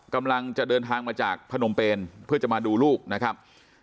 กำลังจะเดินทางมาจากพนมเปนเพื่อจะมาดูลูกนะครับ